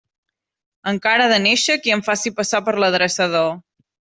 Encara ha de néixer qui em faci passar per l'adreçador.